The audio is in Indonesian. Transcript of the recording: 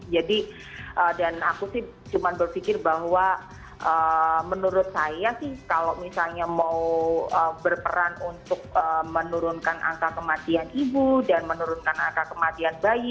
jadi dan aku sih cuma berpikir bahwa menurut saya sih kalau misalnya mau berperan untuk menurunkan angka kematian ibu dan menurunkan angka kematian bayi